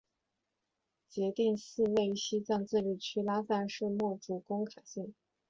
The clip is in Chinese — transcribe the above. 杰定寺位于西藏自治区拉萨市墨竹工卡县。